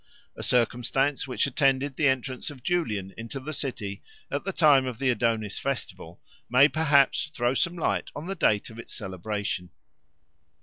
A circumstance which attended the entrance of Julian into the city at the time of the Adonis festival may perhaps throw some light on the date of its celebration.